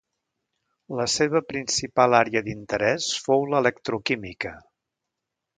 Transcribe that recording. La seva principal àrea d'interès fou l'electroquímica.